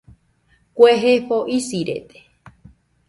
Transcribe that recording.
Kue jefo isirede